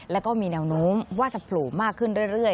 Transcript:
แล้วก็มีแนวโน้มว่าจะผลูมากขึ้นเรื่อย